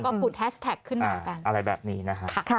ก็ปุ่นแฮสแท็กขึ้นมากันค่ะค่ะอะไรแบบนี้นะ